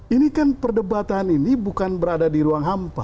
ini kan perdebatan ini bukan berada di ruang hampa